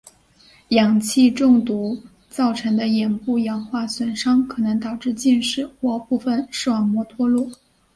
氧气中毒造成的眼部氧化损伤可能导致近视或部分视网膜脱落。